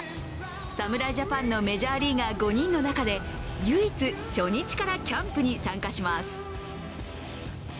侍ジャパンのメジャーリーガー５人の中で唯一、初日からキャンプに参加します。